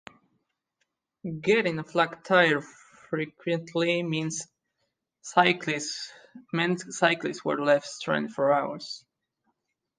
Getting a flat tyre frequently meant cyclists were left stranded for hours.